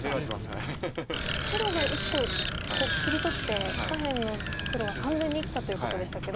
黒が１個切り取って下辺の黒は完全に生きたということでしたけど。